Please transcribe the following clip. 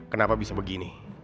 kenapa bisa begini